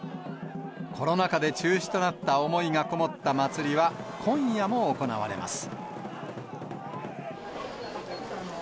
コロナ禍で中止となった思いが込もった祭りは、今夜も行われます。